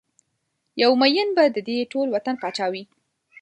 یو ميېن به ددې ټول وطن پاچا وي